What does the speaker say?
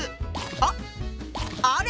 あっあれ